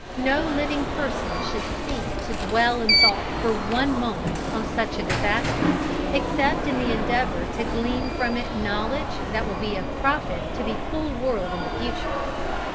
No living person should seek to dwell in thought for one moment on such a disaster except in the endeavour to glean from it knowledge that will be of profit to the whole world in the future.